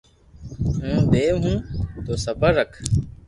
ھون ديو ھون ني سبر رک